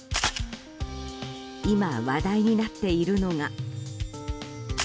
今、話題になっているのが。